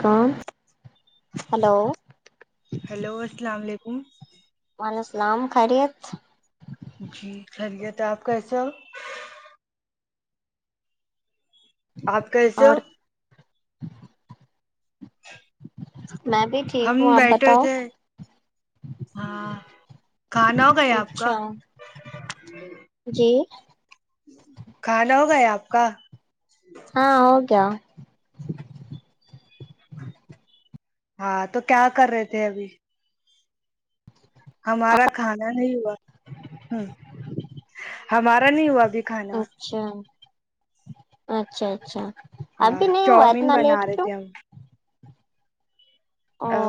کون hello hello السلام علیکم وعلیکم السلام خیریت جی خیریت آپ کیسے ہو آپ کیسے اور ہو میں بھی ٹھی ہم بیٹھے تھے ہاں کھانا ہوگیا آپ اچھا کا جی کھانا ہوگا آپ کا ہاں ہوگیا ہاں تو کیا کر رہے تھے ابھی ہمارا کھانا نہیں ہوا ہمارا نہیں ہوا ابھی کھانا اچھا اچھا اچھا ہاں ابھی نہیں ہوا چاؤمین اتنا لیٹ بنا رہے کیوں تھے ہم او ا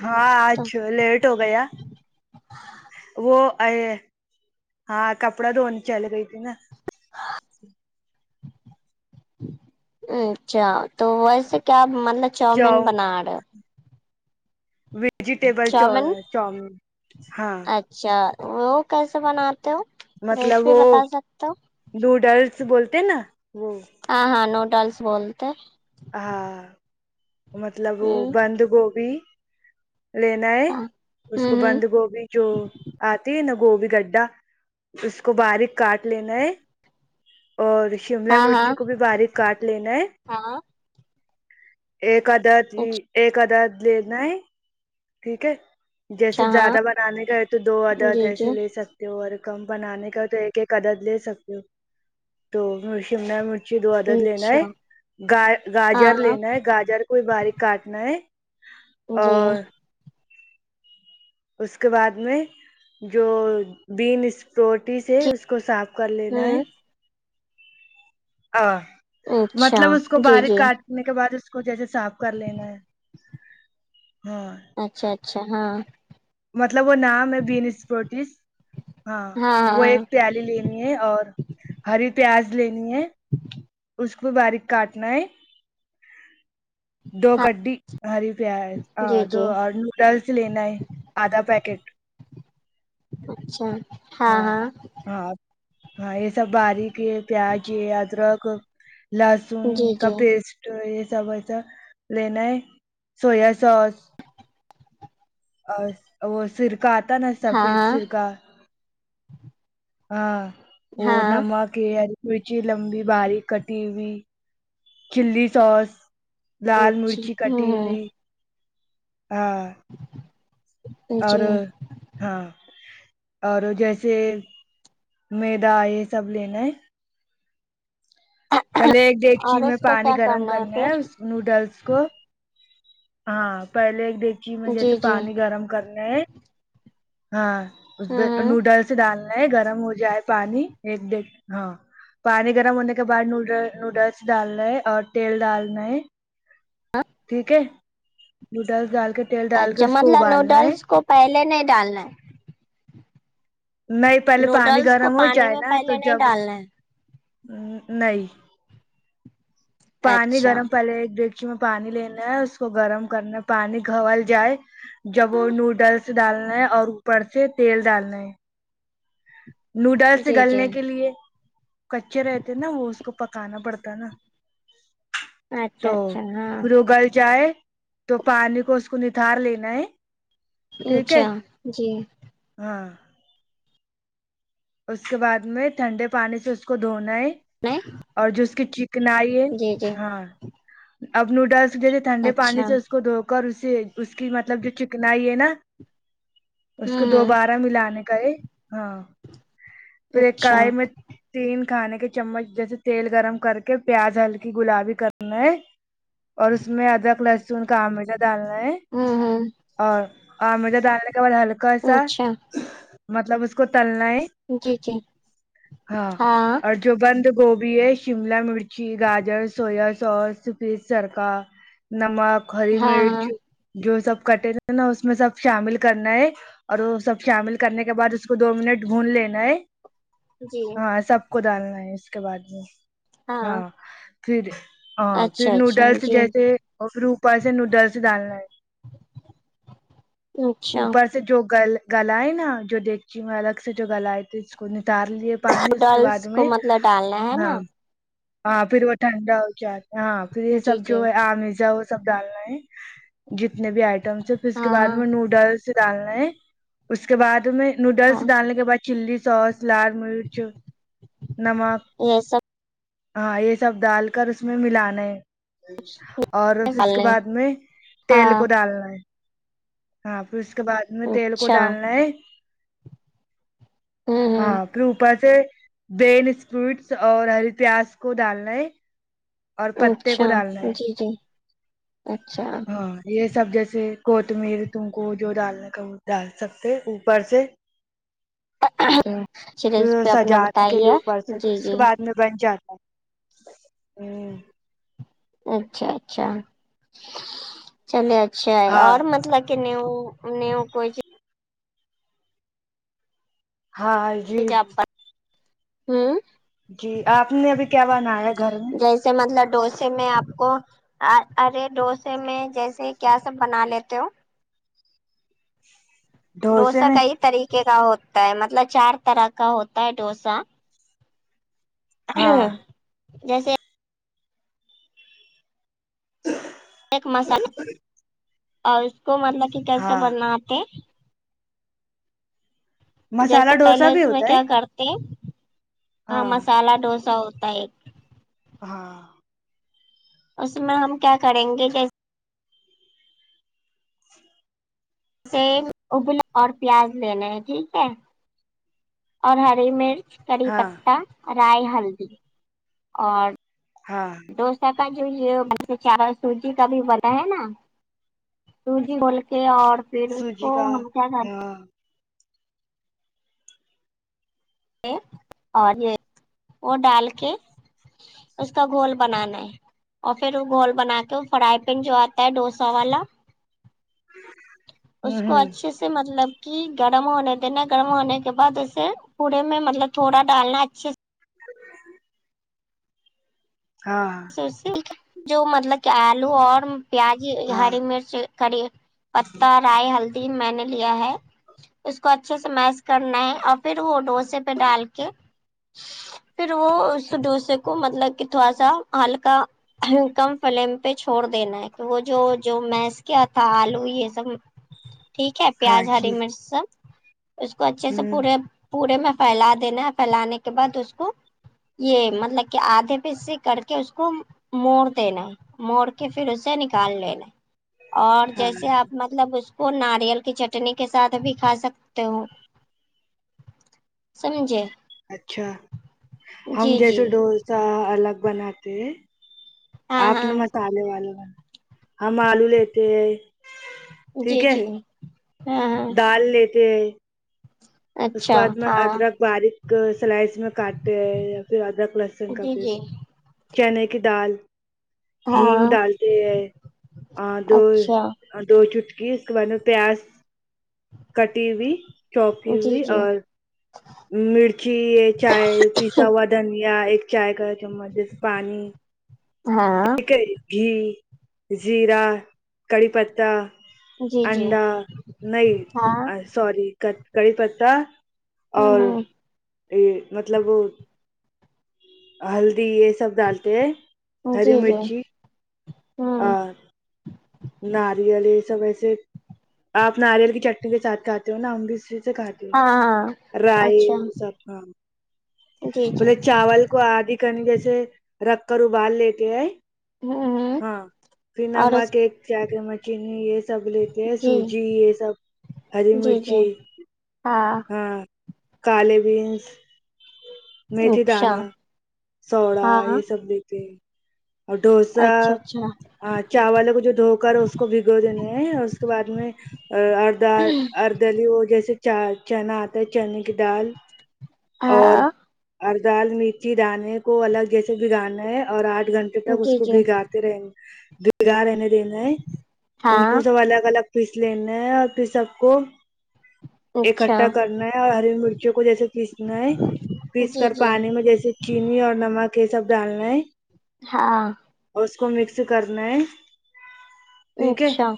ہاں آج تو لیٹ ہو گیا وہ ا ہاں کپڑا دھونی چل گئی تھی نا [inaudible] ہ کیا تو ویسے کیا مطلب کیا چاؤمین بنا رہے ہو ویجیٹیبل چ چاؤمین چومین ہاں اچھا وہ کیسے بناتے ہو مطلب ریسیپی وہ بتا سکتے ہو نوڈلس بولتے نا وہ ہاں ہاں نوڈلس بولتے ہاں مطلب وہ ہوں بند گوبھی لینا ہے ہاں اس کو ہوں ہوں بند گوبھی جو آتی ہے نا گوبھی گڈھا اس کو باریک کاٹ لینا ہے اور شملہ ہاں ہاں مرچی کو بھی باریک کاٹ لینا ہے ہاں ایک عدد ہی ایک عدد لینا ہے ٹھیک ہے جیسے اچھا ہاں زیادہ بنانے کا ہے تو دو عدد جی جی ایسے لے سکتے اور کم بنانے کا تو ایک ایک عدد لے سکتے ہو تو شملہ مرچ جی دو عدد لینا اچھا ہے گ ہاں گاجر ہاں لینا ہے گاجر کو باریک کاٹنا ہے جی اور اس کے بعد میں جو بینس پروٹی سے جی اس کو صاف کر لینا ہے ہوں ا اچھا مطلب اس کو جی باریک جی کاٹ نے کے بعد اس کو جیسے صاف کر لینا ہے ہاں اچھا اچھا ہاں مطلب وہ نام ہے بینس اسپوٹس ہاں وہ ایک پیا لی لینی ہے اور ہری پیاز لینی ہے اس وہ باریک کاٹناہے دو ہاں گڈی ہری پیاز ہ جی دو جی اور نوڈلس لینا ہے آدھا پیکٹ اچھا ہاں ہاں ہاں یہ سب باریک یہ پیاز یہ ادرک لہسن جی کا جی پیسٹ یہ سب ایسا لینا ہے سویا سوس اور وہ سرکہ آتا نا ہاں سفید ہاں سرکہ ہاں وہ ہاں نمک مرچی لمبی باریک کٹی ہوئی چلی سوس لال اچھا مرچی کٹی ہوں ہوئی ہاں ہ اور جی ہاں اور جیسے میدا یہ سب لینا ہے پہلے ایک ڈیگچی اور میں اس کو کیا پانی گرم کرنا ہے پھر اس نوڈلس کو ہاں پہلے ایک دیکھچی میں جی جیسے جی پانی گرم کرنے ہے ہاں اس پ ہوں نوڈلس ڈالنا ہے گرم ہو جائے پانی ایک ڈ ہ ہاں پانی گرم ہونے کے بعد نوڈل نوڈلس ڈالنا ہے اور تیل ڈالنا ہے ٹھیک ہے نوڈلس ڈال کے تیل ڈال کے اچھا اس کو مطلب ابالنا ہے نوڈلس کو پہلے نہیں ڈالنا ہے نہیں پہلے پانی نوڈلس کو گرم ہو پانی جائے میں نا تو پہلے نہیں جب ڈالنا نہیں ہے پانی اچھا گرم پہلے ایک ڈیکچی میں پانی لینا ہے اس کو گرم کرنا پانی گھاول جائے جب وہ نوڈلس ڈالنا ہے اور اوپر سے تیل ڈالنا ہے نوڈلس جی جی گلنے کے لیے کچے رہتے نا وہ اس کو پکانا پڑتا نا اچھا اچھا ہاں توپھروہ گل جائے تو پانی کو اس کو نتھار لینا ہے ٹھیک اچھا ہے جی ہاں اس کے بعد میں ٹھنڈے پانی سے اس کو دھونا ہے نہیں اور جو اس کی چکنائی ہے جی جی ہاں اب نوڈلس جیسے ٹھنڈے پانی اچھا سے اس کو دھو کر اس اس کی مطلب جو چکنائی ہے نا اس کو ہوں دوبارہ ملانے کا یہ ہاں پھر ایک اچھا کڑھائی میں تین کھانے کے چمچ جیسے تیل گرم کر کے پیاز ہلکی گلابی کرنا ہے اور اس میں ادرک لہسن کا آمیزہ ڈالنا ہے ہوں ہوں اور آمیزہ ڈالنے کے بعد ہلکا سا اچھا مطلب اس کو تلنا ہے جی جی ہاں اور جو بند گوبھی ہے شملہ مرچ ی گاجر سویا ساس پھر سرکہ نمک ہری ہاں مرچ ہاں جو سب کٹے نا اس میں سب شامل کرنا ہے اور وہ سب شامل کرنے کے بعد اس کو دو منٹ بھون لینا ہے جی ہاں سب کو ڈالنا ہے اس کے بعد میں ہاں پھر ہاں پھر اچھا اچھا نوڈلس جی جیسے اور پھر اوپر سے نوڈلس ڈالنا ہے اچھا اوپر جو گل گلا ئے نا جو دیکچی میں الگ سے جو گلا ئے تھے اس کو نتار لیے پانی اس کے بعد نوڈلس کو میں مطلب ڈالنا ہے نا ہاں پھر وہ ٹھنڈا ہو جاۓ ہاں پھر یہ جی سب جی جو ہے آمیزہ وہ سب ڈالنا ہے جتنے بھی آئٹمس ہے پھر اس کے بعد ہاں میں نوڈلس ڈالنا ہے اس کے بعد میں ہاں نوڈلس ڈالنے کے بعد چلی سوس لال مرچ نمک یہ ہاں یہ سب ڈال کر اس میں ملانا ہے اور سب پھر اس کے ڈالنے بعد میں تیل ہاں کو ڈالنا ہے ہاں پھر اس کے بعد میں تیل کو اچھا ڈالنا ہے ہوں ہوں ہاں پھر اوپر سے بین اسپوٹس اور ہری پیاز کو ڈالنا ہے اور پتے اچھا کو ڈالنا ہے جی جی اچھا ہاں یہ سب جیسے کوتمیر تم کو جو ڈالنا کا وہ ڈال سکتے اوپر سے چلیے اب اس پھر پہ اپنا سجانے کے لیے بتائیے اوپر سے پھر جی اس کے جی بعد میں بن جاتا ہے ہوں اچھا اچھا چلیے اچھا ہاں اور مطلب نیو نیو کوئی ہائی ہجاب ہوں جی آپ نے ابھی کیا بنایا گھر میں سے مطلب ڈوسے میں آپ کو ارے ڈوسے میں جیسے کیا سب بنا لیتے ہو ڈھوسے ڈوسا میں کئی طریقے کا ہوتا ہے مطلب چار طرح کا ہوتا ہے ڈوسا ہاں جیسے [inaudible] ایک مسال اور اس کو مطلب کہ کیسے ہاں بناتے جیسے مسالہ ڈوسا پہلے بھی اس میں ہوتا ہے کیا کرتے ہیں ہاں مسالہ ڈوسا ہوتا ہے ہاں اس میں ہم کیا کریں گے جسے یب ابلا اور پیاز لینا ہے ٹھیک ہے اور ہری مرچ کری ہاں پتتا رائی ہلدی اور ہاں ڈوسا کا جو یہ ہے چاول سوجی کا بھی بنا ہے نا جی بول کے اور پھر اس کو سوجی کا ہم کیا کرتے ہیں ہاں اور یہ وہ ڈال کے اس کا گول بنانا ہے اور پھر وہ گھول بنا کے فرائی پین جو آتا ہے ڈوسا والا اس ہوں کو ہوں اچھے سے مطلب کہ گرم ہونے دینا گرم ہونے کے بعد اسسے پڑے میں مطلب تھوڑا ڈالنا اچھے سے [inaudible] ہاں سے جو مطلب کہ آلو اور پیاز ہاں ہری مرچ کری پتتا رائی ہلدی میں نے لیا ہے اس کو اچھے سے میس کرنا ہے اور پھر وہ ڈوسے پہ ڈال کے پھر وہ اس ڈوسے کو مطلب کہ تھوڑا سا ہلکا کم فلیم پہ چھوڑ دینا ہے کہ وہ جو جو میس کیا تھا آلو یہ سب ٹھیک ہے ہاں پیاز ہری جی مرچ سب اس کو اچھے سے ہوں پورے پورے میں پھیلا دینا ہے پھیلانے کے بعد اس کو یہ مطلب کہ آدھے پہ سے کر کہ اس کو موڑ دینا موڑ کے پھر اسے نکال لینا اور ہاں جیسے آپ مطلب اس کو ناریل کی چٹنی کے ساتھ بھی کھا سکتے ہو سمجھے اچھا ہم جی جی جیسے ڈوسا الگ بناتے ہیں ہاں آپ نے ہاں مسالے والے ہو ہم آلو لیتے ہے جی ٹھیک جی ہاں ہاں دال لیتے ہیں اس کے اچھا بعد میں ہاں ادرک باریک سلائس میں کاٹتے ہیں یا پھر ادرک لہسن کا جی جی پیسٹ چنے کی دال ہینگ ہاں ڈالتے ہے آ دوش اچھا اور دو چٹکی اس کے بعد میں پیاز کٹی ہوئی چوپ کی جی ہوئی جی اور مرچی چائے پیس ہوا دھنیا ایک چائے کا چمچ جیسے پانی ہاں گھی زیرا کڑی پتتا جی جی انڈا نہیں ہاں سوری کڑی پتا اور ہوں یہ مطلب وہ ہلدی یہ سب ڈالتے ہیں جی ہری جی مرچی ہوں اور ناریل یہ سب ایسے آپ ناریل کی چٹنی کے ساتھ کھاتے ہو نا ہم بھی اسی سے کھات ہاں ہاں رائی اچھا جی جی چاول اس کو آدھی کنی جیسے رکھ کر ابال لیتے ہے ہوں ہوں ہاں پھر اور اس نمک ایک چاۓ چمک چینی یہ سب لیتے ہے جی سوجی یہ سب ہری جی مرچی جی ہاں ہاں کالے بینس میتھی اچھا دانہ پوڑا ہاں یہ سب دیتے ہیں اور ڈوسا اچھا اچھا ہا چاولوں کو جو دھو کر اس کو بھگو دینے ہیں اس کے بعد میں [unintelligible] دلی وہ جیسے چا چنا آتا ہے چنے کی دال اور ہاں ار دال مرچی دانے کو الگ جیسے بگانا ہے اور آٹھ گھنٹے تک اس جی کو جی بگا رہ بھیگا رہنے دینا ہے ان کو ہاں سب الگ الگ پیس لینا ہے اور پھر سب کو اچھا اکٹھا کرنا ہے اور ہری مرچی کو جیسے پیسنا ہے پیس جی کر جی پانی میں جیسے چینی اور نمک یہ سب ڈالنا ہے ہاں اس کو مکس کرنا ہے ٹھیک ہے اچھا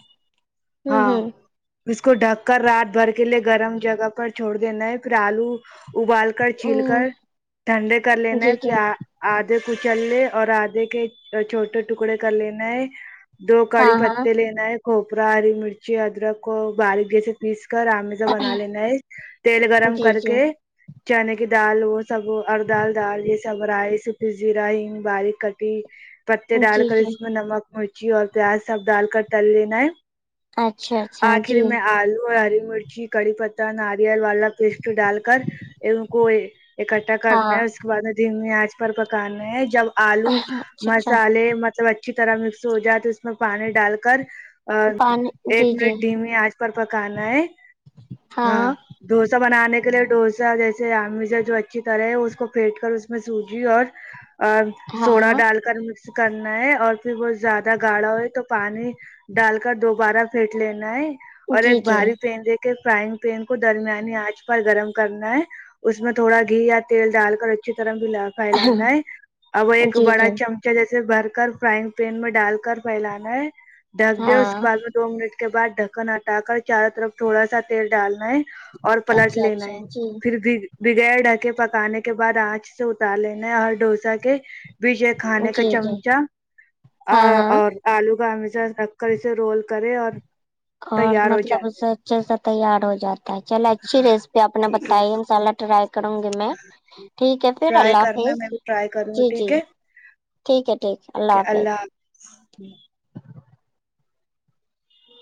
ہوں ہاں اس کو ڈھک کر رات بھر کے لے گرم جگہ پر چھوڑ دینا ہے پھر آلو ابال کر چل کر ہوں ٹھنڈے کر لینا ہے جی پھر جی آپ آدھے کچل لے اور آدھے کے چھوٹے ٹکڑے کر لینا ہے دو ہاں کڑی ہاں پتے لینا ہے کھوپرا ہری مرچی ادرک کو باریک جیسے پیس کر آم بنا لینا ہے تیل گرم جی کر جی کے چنے کی دال وہ سب وہ دال دال یہ سب رائ س جیرا ہنگ باریک کٹی پتے ڈال جی کر جی اس میں نمک مرچی اور پیاز سب ڈال کر تل لینا ہے اچھا اچھا آخر جی میں آلو اور ہری مرچی کڑی پتا ناریل والا پیسٹ ڈال کر ان کو اکٹھا ہاں کرنا اس کے دھیمی آنچ پر پکانے ہے جب آلو اچھا اچھا مسالے مطلب اچ اچھی طرح مکس ہو جائے تو اس میں پانی ڈال کر اور پانی جی ایک جی منٹ ڈھیمی آنچ پر پکانا ہے ہاں ڈوسا بنانے کے لیے ڈوسا جیسے امیزا جو اچھی طرح ہے کو پھینٹ کر اس میں سوجی اور سوڈا ہاں ڈال کر مکس کرنا ہے اور پھر بہت زیادہ گاڑھا ہو ہے تو پانی ڈال کر دوبارہ پھیٹ لینا ہے اور جی ایک جی بھاری پین دیک فرائنگ پین کو درمیانی آنچ پر گرم کرنا ہے اس میں تھوڑا گھی یا تیل ڈال کر اچھی طرح بھی پھیلانا ہے اب وہ ایک جی بڑا جی چم جیسے بہر کر فرائنگ پین میں ڈال کر پھیلانا ہیں ڈھک دے اس کے ہاں بعد میں دو منٹ کے بعد ڈھکن ہٹا کر چاروں طرف تھوڑا سا تیل ڈالنا ہے اور پلٹ اچھا لینا اچھا ہے جی پھر بھی بغیر ڈھکے پکانے کے بعد آنچ سے اتار لینے اور ڈوسا کے وجے کھانے کا جی جی چمچہ ہاں اور ہاں اور آلو کا ہمیشہ رکھ کر اسے رول کرے اور اور تیار ہو مطلب جاتے اسے اچھے سے تیار ہو جاتا ہے چلے اچھی ریسیپی اپنے ٹھیک بتائی ہے مسالا ٹرائی کروں گی میں ٹھیک ہے پھر ٹرائی اللہ کرنا حافظ میں بھی ٹرائی کروں گی جی جی ٹھیک ہے ٹھیک ہے ٹھیک ہے اللہ حافظ ہی [unintelligible]